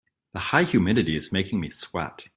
The high humidity is making me sweat.